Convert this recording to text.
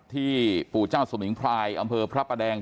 ที่ปู่เจ้าสมิงพรายอำเภอพระประแดง